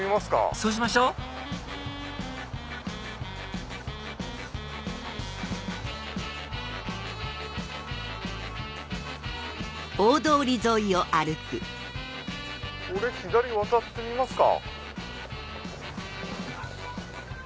そうしましょこれ左渡ってみますか。